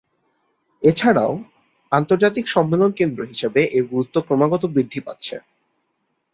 এছাড়াও, আন্তর্জাতিক সম্মেলন কেন্দ্র হিসেবে এর গুরুত্ব ক্রমাগত বৃদ্ধি পাচ্ছে।